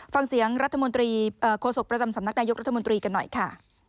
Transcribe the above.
ฟังเสียงรัฐมนตรีโฆษกประจำสำนักนายกรัฐมนตรีกันหน่อยค่ะ